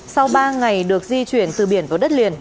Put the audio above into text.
sau ba ngày được di chuyển từ biển vào đất liền